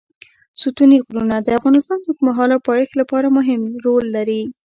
ستوني غرونه د افغانستان د اوږدمهاله پایښت لپاره مهم رول لري.